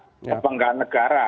untuk pengembangan negara